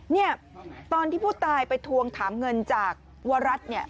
เนี่ยตอนที่ผู้ตายไปทวงถามเงินจากวรัฐเนี่ย